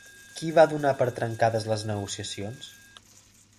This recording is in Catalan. Qui va donar per trencades les negociacions?